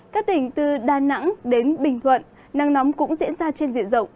các tỉnh từ đà nẵng đến bình thuận nắng nóng cũng diễn ra trên diện rộng